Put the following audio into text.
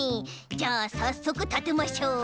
じゃあさっそくたてましょう。